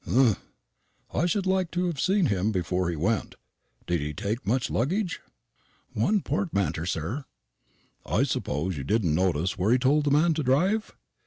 "Humph! I should like to have seen him before he went. Did he take much luggage?" "One portmanter, sir." "I suppose you didn't notice where he told the man to drive?"